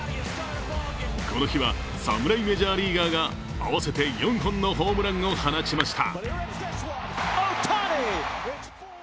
この日は侍メジャーリーガーが合わせて４本のホームランを放ちました。